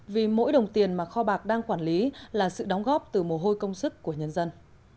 vì mỗi đồng tiền mà kho bạc đang quản lý là sự đóng góp từ mồ hôi công sức của nhân dân